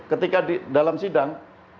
ketika di dalam sidang